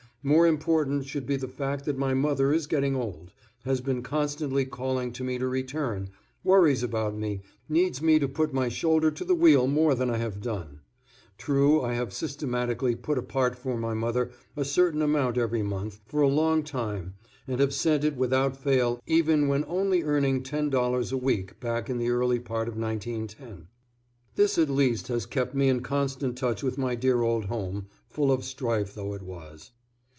More important should be the fact that my mother is getting old, has been constantly calling to me to return, worries about me, needs me to put my shoulder to the wheel more than I have done. True, I have systematically put apart for my mother a certain amount every month for a long time and have sent it without fail even when only earning $10 a week back in the early part of 1910. This at least has kept me in constant touch with my dear old home, full of strife though it was.